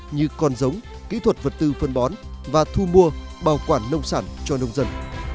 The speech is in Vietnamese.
như con giống kỹ thuật vật tư phân bón và thu mua bảo quản nông sản cho nông dân